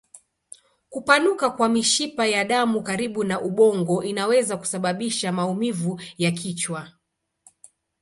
Kupanuka kwa mishipa ya damu karibu na ubongo inaweza kusababisha maumivu ya kichwa.